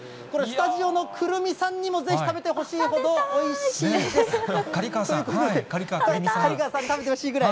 これはスタジオのくるみさんにもぜひ食べてほしいほど、おいしいです。